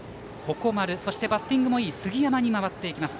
鉾丸、そしてバッティングもいい杉山に回っていきます。